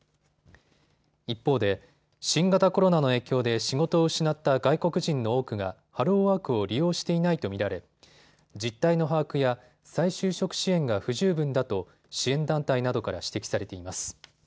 一方で新型コロナの影響で仕事を失った外国人の多くがハローワークを利用していないと見られ実態の把握や再就職支援が不十分だと支援団体などから指摘されています。